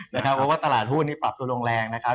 นะครับเพราะว่าตลาดหุ้นนี้ปรับทุนลงแรงนะครับ